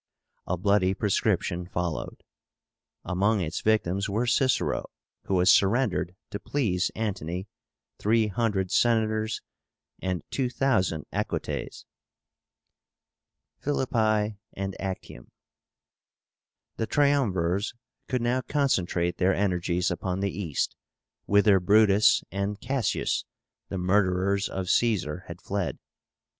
A bloody prescription followed. Among its victims were CICERO, who was surrendered to please Antony, 300 Senators, and 2,000 Equites. PHILIPPI AND ACTIUM. The Triumvirs could now concentrate their energies upon the East, whither BRUTUS and CASSIUS, the murderers of Caesar, had fled.